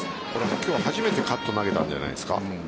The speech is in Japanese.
今日初めてカット投げたんじゃないですか。